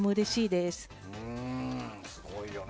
すごいよね。